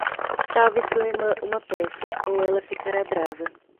Salve sua irmã uma peça? ou ela ficará brava.